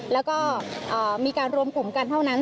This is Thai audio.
แล้วก็มีการรวมกลุ่มกันเท่านั้น